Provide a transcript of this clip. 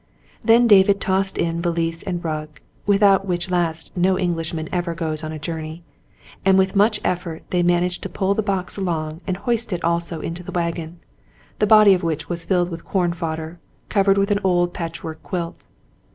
Then David tossed in valise and rug, without which last no Englishman ever goes on a journey, and with much effort they managed to pull the box along and hoist it also into the wagon, the body of which was filled with corn fodder, covered with an old patchwork quilt.